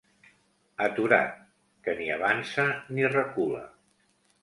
Aturat, que ni avança ni recula.